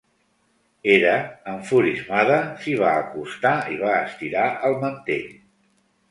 Hera, enfurismada, s'hi va acostar i va estirar el mantell.